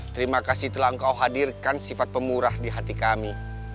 terima kasih telah engkau hadirkan sifat pemurah di hati kami